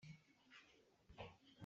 Lam aa kikiau tuk tikah kan ri dih.